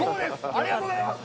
ありがとうございます！